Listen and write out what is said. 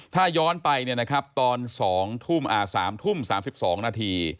ถ้าย้อนไปตอน๒ทุ่ม๓ทุ่ม๓๒นาที